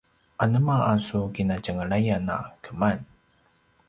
anema a su kinatjenglayan a keman?